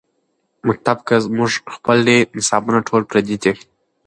مکتب کۀ زمونږ خپل دے نصابونه ټول پردي دي